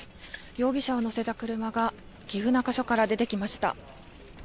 容疑者を乗せた車が岐阜中署から出てきました。